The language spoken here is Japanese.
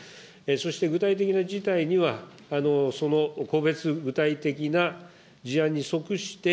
そして具体的な事態には、その個別具体的な事案に即して、